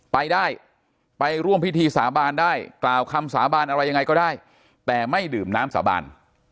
ไปได้ไปร่วมพิธีสาบานได้กล่าวคำสาบานอะไรยังไงก็ได้แต่ไม่ดื่มน้ำสาบาน